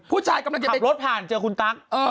ผู้ชายกำลังจะไปขับรถผ่านเจอคุณตั๊ก